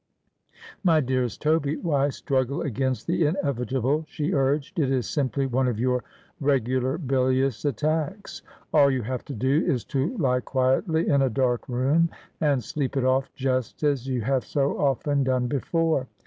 ' My dearest Toby, why struggle against the inevitable ?' she urged. ' It is simply one of your regular bilious attacks. All you have to do is to lie quietly in a dark room and sleep it oft, just as you have so often done before.